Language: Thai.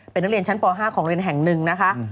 เป็นนักเรียนชั้นป๕ของเรียนแห่งหนึ่งนะคะ